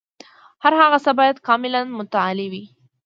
هر هغه څه باید کاملاً متعالي وي.